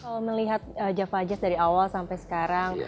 kalau melihat java jazz dari awal sampai sekarang